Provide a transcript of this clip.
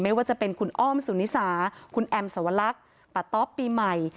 ไม่ว่าจะเป็นคุณอ้อมสุนิสาคุณแอมสวรรคปะต๊อปปีใหม่